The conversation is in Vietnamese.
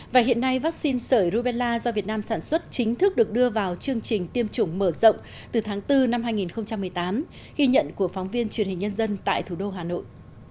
và hiện nay vaccine sởi rubella do việt nam sản xuất chính thức được đưa vào chương trình tiêm chủng mở rộng từ tháng bốn năm hai nghìn một mươi tám ghi nhận của phóng viên truyền hình nhân dân tại thủ đô hà nội